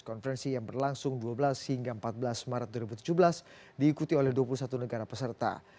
konferensi yang berlangsung dua belas hingga empat belas maret dua ribu tujuh belas diikuti oleh dua puluh satu negara peserta